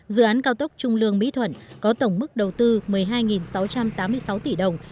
dự án cao tốc trung lương mỹ thuận có tổng mức đầu tư một mươi hai sáu trăm tám mươi sáu tỷ đồng